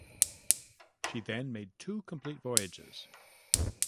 She then made two complete voyages.